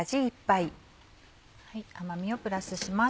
甘みをプラスします。